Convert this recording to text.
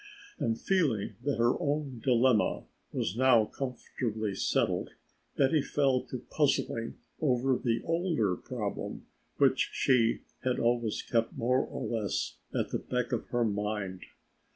And feeling that her own dilemma was now comfortably settled, Betty fell to puzzling over the older problem which she had always kept more or less at the back of her mind.